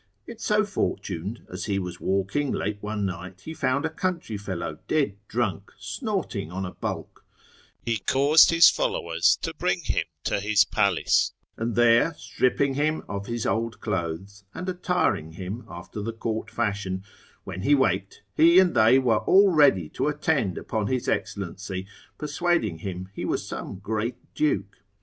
It so fortuned, as he was walking late one night, he found a country fellow dead drunk, snorting on a bulk; he caused his followers to bring him to his palace, and there stripping him of his old clothes, and attiring him after the court fashion, when he waked, he and they were all ready to attend upon his excellency, persuading him he was some great duke.